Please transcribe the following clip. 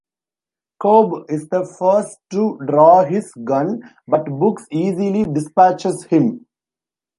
Cobb is the first to draw his gun, but Books easily dispatches him.